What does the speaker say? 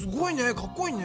かっこいいね！